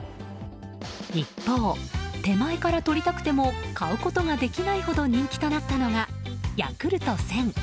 一方、手前から取りたくても買うことができないほど人気となったのがヤクルト１０００。